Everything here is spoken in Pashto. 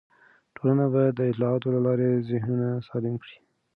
ټولنه باید د اطلاعاتو له لارې ذهنونه سالم کړي.